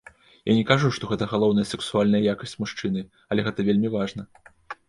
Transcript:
Я не кажу, што гэта галоўная сэксуальная якасць мужчыны, але гэта вельмі важна.